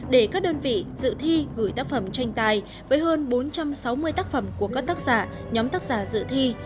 để các đơn vị dự thi gửi tác phẩm tranh tài với hơn bốn trăm sáu mươi tác phẩm của các tác giả nhóm tác giả dự thi